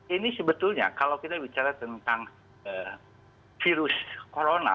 ini sebetulnya kalau kita bicara tentang virus corona